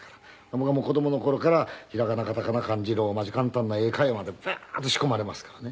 僕は子供の頃から平仮名片仮名漢字ローマ字簡単な英会話までバーッと仕込まれますからね。